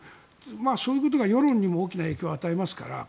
そういうことが国内の世論にも大きな影響を与えますから。